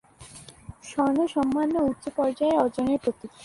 স্বর্ণ সম্মান ও উচ্চ পর্যায়ের অর্জনের প্রতীক।